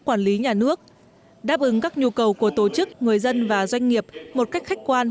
quản lý nhà nước đáp ứng các nhu cầu của tổ chức người dân và doanh nghiệp một cách khách quan